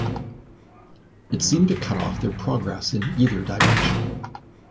It seemed to cut off their progress in either direction.